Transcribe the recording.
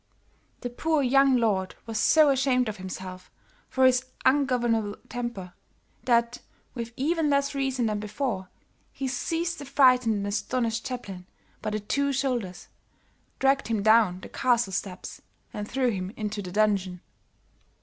The poor young lord was so ashamed of himself for his ungovernable temper, that, with even less reason than before, he seized the frightened and astonished chaplain by the two shoulders, dragged him down the castle steps and threw him into the dungeon.